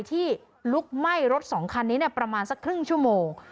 ลุกไหม้รถสองคันนี้ประมาณสักครึ่งชั่วโมง